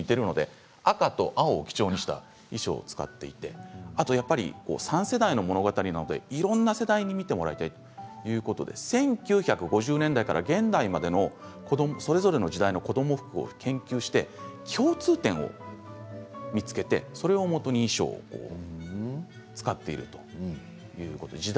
赤と青を基調にした衣装を使っていて３世代の物語なのでいろんな世代に見てもらいたいということで１９５０年代から現代までのそれぞれの時代の子ども服を研究して共通点を見つけてそれをもとに衣装を使っているということです。